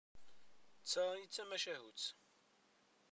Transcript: D ta i d tamacahut.